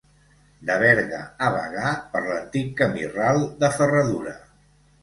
De Berga a Bagà per l'antic camí ral de ferradura.